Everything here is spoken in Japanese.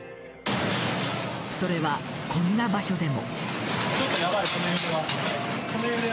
それは、こんな場所でも。